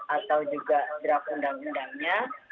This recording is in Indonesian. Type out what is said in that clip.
atau juga draft undang undangnya